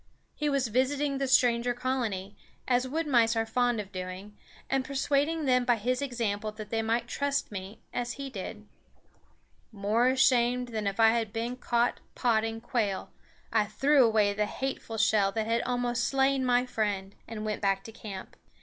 He was visiting the stranger colony, as wood mice are fond of doing, and persuading them by his example that they might trust me, as he did. More ashamed than if I had been caught potting quail, I threw away the hateful shell that had almost slain my friend and went back to camp.